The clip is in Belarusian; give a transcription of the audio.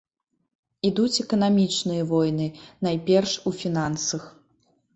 Ідуць эканамічныя войны, найперш у фінансах.